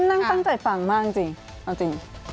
นั่งตั้งใจฟังมากจริงเอาจริง